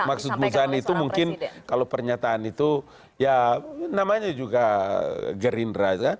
maksud muzani itu mungkin kalau pernyataan itu ya namanya juga gerindra